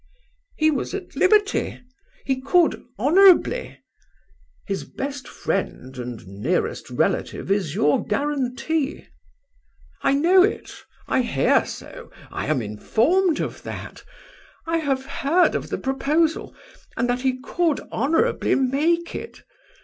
"He was at liberty? ... he could honourably? ..." "His best friend and nearest relative is your guarantee." "I know it; I hear so; I am informed of that: I have heard of the proposal, and that he could honourably make it.